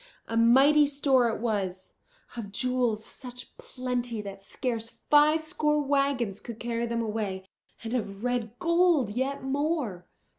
A mighty store it was, of jewels such plenty that scarce five score wagons could carry them away, and of red gold yet more.